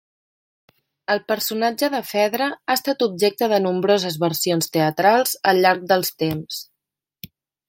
El personatge de Fedra ha estat objecte de nombroses versions teatrals al llarg dels temps.